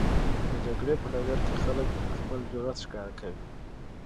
د جګړې په ډګر کې خلک خپل جرئت ښکاره کوي.